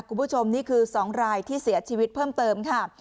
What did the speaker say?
คุณผู้ชมนี่คือ๒รายที่เสียชีวิตเพิ่มเติมค่ะ